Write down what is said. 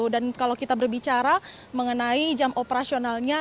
dan kalau kita berbicara mengenai jam operasionalnya